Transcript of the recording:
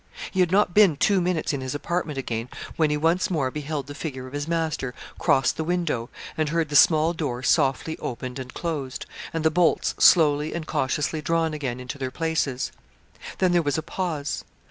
He had not been two minutes in his apartment again when he once more beheld the figure of his master cross the window, and heard the small door softly opened and closed, and the bolts slowly and cautiously drawn again into their places. Then there was a pause.